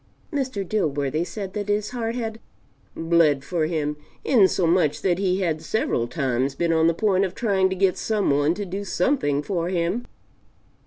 Mr. Dilworthy said that his heart had bled for him insomuch that he had several times been on the point of trying to get some one to do something for him.